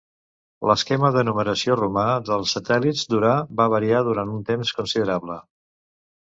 L'esquema de numeració romà dels satèl·lits d'Urà va variar durant un temps considerable.